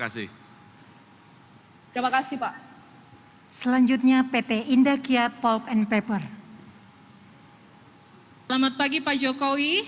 selamat pagi pak jokowi